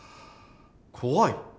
怖い？